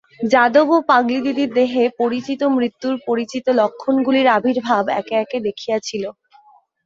যাদব ও পাগলদিদির দেহে পরিচিত মৃত্যুর পরিচিত লক্ষণগুলির আবির্ভাব একে একে দেখিয়াছিল।